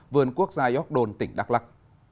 vườn quốc gia york don tỉnh đắk lắc